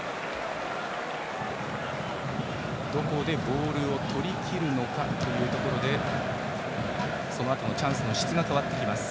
どこでボールをとりきるのかというところでそのあとのチャンスの質が変わってきます。